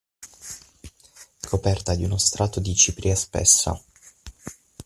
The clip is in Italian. Coperta di uno strato di cipria spessa.